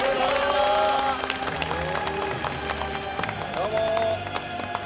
どうも。